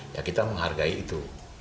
ya kita menghargai itu